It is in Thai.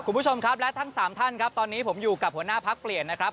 คุณผู้ชมครับและทั้งสามท่านครับตอนนี้ผมอยู่กับหัวหน้าพักเปลี่ยนนะครับ